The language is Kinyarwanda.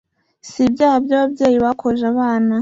Si ibyaha byababyeyi bokoje abana